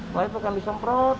lantai itu akan disemprot